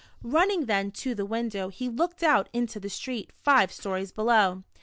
Running then to the window, he looked out into the street, five stories below.